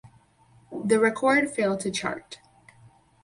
The record failed to chart.